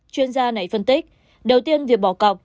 chuyên gia này phân tích đầu tiên việc bỏ cọc